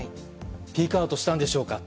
ピークアウトしたんでしょうか？